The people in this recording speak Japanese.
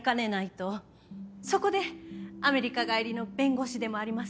そこでアメリカ帰りの弁護士でもあります